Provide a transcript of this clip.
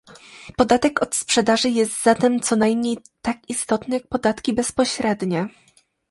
Podatek od sprzedaży jest zatem co najmniej tak istotny jak podatki bezpośrednie